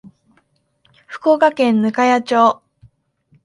福岡県粕屋町